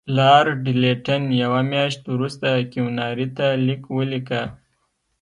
لارډ لیټن یوه میاشت وروسته کیوناري ته لیک ولیکه.